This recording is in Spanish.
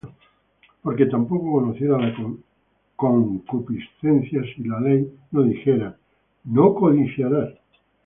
porque tampoco conociera la concupiscencia, si la ley no dijera: No codiciarás.